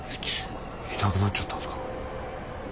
いなくなっちゃったんすか？